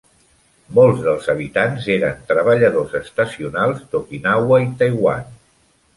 Molts dels habitants eren treballadors estacionals d'Okinawa i Taiwan.